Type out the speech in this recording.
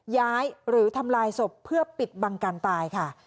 หรือทำลายศพเพื่อปิดบังการตายค่ะ